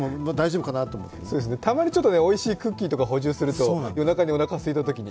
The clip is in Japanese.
たまにおいしいクッキーとかを補充すると夜中に、おなかがすいたときに。